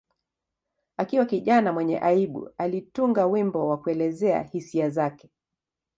Akiwa kijana mwenye aibu, alitunga wimbo wa kuelezea hisia zake.